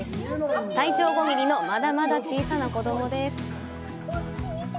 体長５ミリのまだまだ小さな子供です。